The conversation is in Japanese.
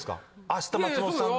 明日松本さんの。